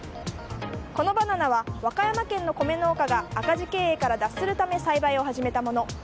このバナナは和歌山県の米農家が赤字経営から脱するため栽培を始めたもの。